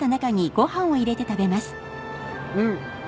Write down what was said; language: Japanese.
うん。